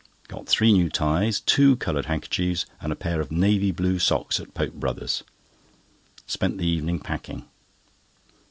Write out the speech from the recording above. Got three new ties, two coloured handkerchiefs, and a pair of navy blue socks at Pope Brothers. Spent the evening packing.